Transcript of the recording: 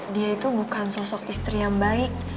dia itu bukan sosok istri yang baik